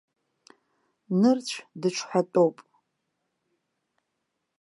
Нырцә дыҽҳәатәоуп.